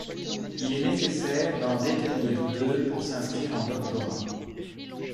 Il est nécessaire d'en détenir deux pour s'inscrire en doctorat.